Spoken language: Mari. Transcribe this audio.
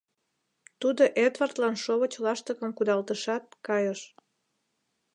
Тудо Эдвардлан шовыч лаштыкым кудалтышат, кайыш.